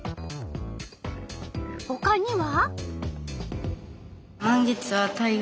ほかには？